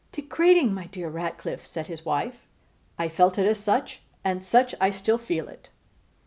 'Degrading, my dear Ratcliffe!' said his wife. 'I felt it as such; and such I still feel it.